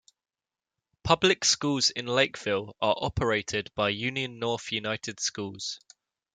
Public schools in Lakeville are operated by Union-North United Schools.